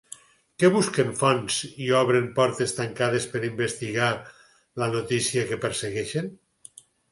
Que busquen fonts i obren portes tancades per investigar la notícia que persegueixen.